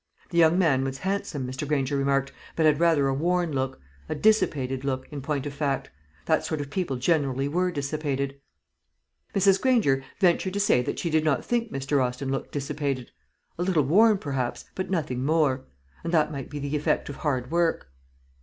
The young man was handsome, Mr. Granger remarked, but had rather a worn look a dissipated look, in point of fact. That sort of people generally were dissipated. Mrs. Granger ventured to say that she did not think Mr. Austin looked dissipated a little worn, perhaps, but nothing more; and that might be the effect of hard work.